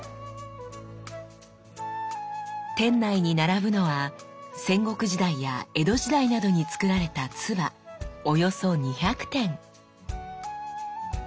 店内に並ぶのは戦国時代や江戸時代などにつくられた鐔およそ２００点。